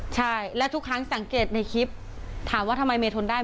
ใช่และทุกครั้งสังเกตในคลิปถามว่าทำไมเมย์ทนได้